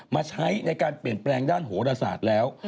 มาใช้ในการเปลี่ยนแปลงด้านโหรศาสตร์แล้ว